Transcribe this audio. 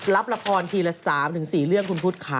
รับละครทีละ๓๔เรื่องคุณพุทธค่ะ